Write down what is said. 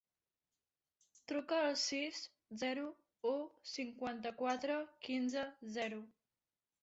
Truca al sis, zero, u, cinquanta-quatre, quinze, zero.